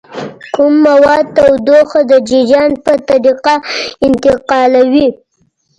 کوم مواد تودوخه د جریان په طریقه انتقالوي؟